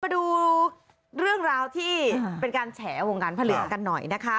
มาดูเรื่องราวที่เป็นการแฉวงการพระเหลืองกันหน่อยนะคะ